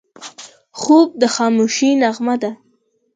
خوب د خاموشۍ نغمه ده